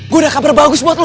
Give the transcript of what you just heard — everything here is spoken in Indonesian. gue udah kabar bagus buat lo